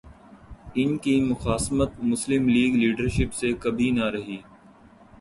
ان کی مخاصمت مسلم لیگ لیڈرشپ سے کبھی نہ رہی۔